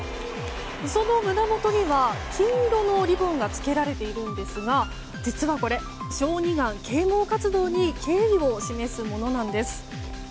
その胸元には金色のリボンがつけられているんですが実はこれ、小児がん啓蒙活動に敬意を示すものなんです。